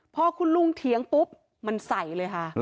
พอคุณลุงเถียงปุ๊บมันใส่เลยค่ะ